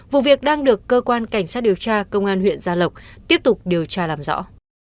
vụ việc đang được cơ quan cảnh sát điều tra công an huyện gia lộc tiếp tục điều tra làm rõ